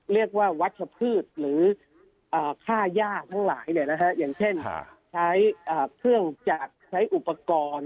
เรียกว่าวัชพืชหรือค่าย่าทั้งหลายเนี่ยนะคะอย่างเช่นใช้เครื่องจักรใช้อุปกรณ์